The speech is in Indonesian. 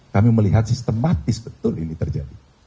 kami melihat sistematis betul ini terjadi